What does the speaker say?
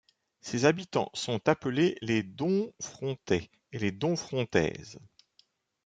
Ses habitants sont appelés les Domfrontais et les Domfrontaises.